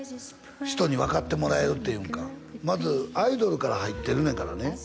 人に分かってもらえるっていうんかまずアイドルから入ってるねんからね